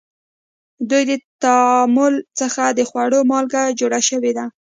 د دوی د تعامل څخه د خوړو مالګه جوړه شوې ده.